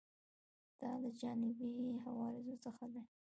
دا له جانبي عوارضو څخه ده.